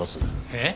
えっ？